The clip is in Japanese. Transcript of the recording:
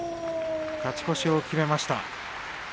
勝ち越しを決めました。